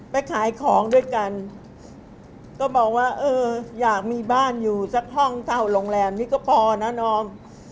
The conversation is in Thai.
ไปขายของด้วยกันก็บอกว่าเอออยากมีบ้านอยู่สักห้องเท่าโรงแรมนี่ก็พอนะนอม